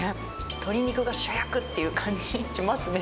鶏肉が主役っていう感じしますね。